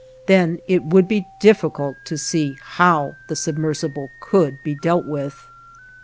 Then it would be difficult to see how the submersible could be dealt with.